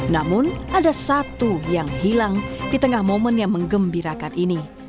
namun ada satu yang hilang di tengah momen yang mengembirakan ini